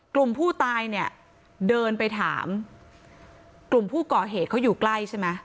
กลุ่มผู้ตายเนี่ยเดินไปถามกลุ่มผู้ก่อเหตุเขาอยู่ใกล้ใช่ไหม